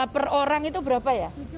per orang itu berapa ya